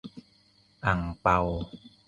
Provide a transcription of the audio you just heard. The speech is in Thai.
- อั่งเปา